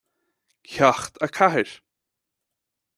Ceacht a Ceathair